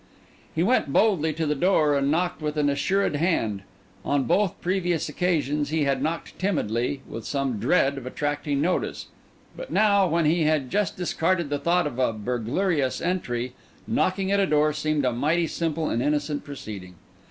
He went boldly to the door and knocked with an assured hand. On both previous occasions, he had knocked timidly and with some dread of attracting notice; but now when he had just discarded the thought of a burglarious entry, knocking at a door seemed a mighty simple and innocent proceeding.